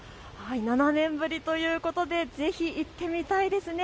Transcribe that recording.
７年ぶりということでぜひ行ってみたいですね。